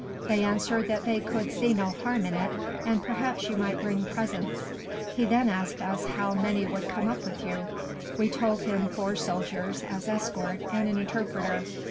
They answered that they could see no harm in it, and perhaps you might bring presents. He then asked us how many would come up with you; and we told him four soldiers, as escort, and an interpreter.